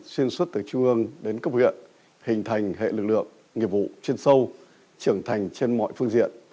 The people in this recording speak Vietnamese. xuyên suốt từ trung ương đến cấp huyện hình thành hệ lực lượng nghiệp vụ chuyên sâu trưởng thành trên mọi phương diện